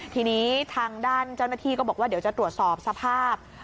ทีนี้ทางด้านเจ้าหน้าที่ก็บอกว่าเดี๋ยวจะตรวจสอบสภาพ